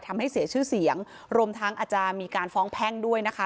ทำให้เสียชื่อเสียงรวมทั้งอาจจะมีการฟ้องแพ่งด้วยนะคะ